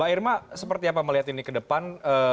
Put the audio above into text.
mbak irma seperti apa melihat ini ke depan